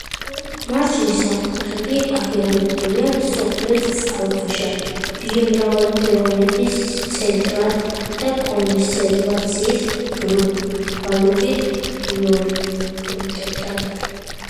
მარჯნის სამკუთხედი აღიარებულია მსოფლიოს წყალქვეშა ბიომრავალფეროვნების ცენტრად და კონსერვაციის გლობალურ პრიორიტეტად.